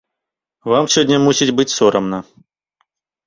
Вам сёння мусіць быць сорамна.